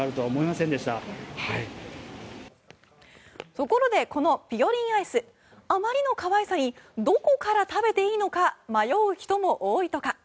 ところでこのぴよりんアイスあまりの可愛さにどこから食べていいのか迷う人も多いとか。